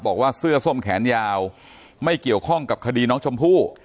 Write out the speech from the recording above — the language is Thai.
บอกว่าเสื้อส้มแขนยาวไม่เกี่ยวข้องกับคดีน้องชมพู่